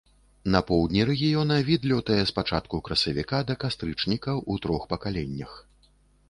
Па поўдні рэгіёна від лётае з пачатку красавіка да кастрычніка ў трох пакаленнях.